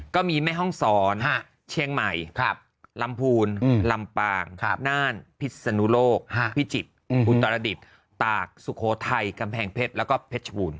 แม่ห้องศรเชียงใหม่ลำพูนลำปางน่านพิศนุโลกพิจิตรอุตรดิษฐ์ตากสุโขทัยกำแพงเพชรแล้วก็เพชรบูรณ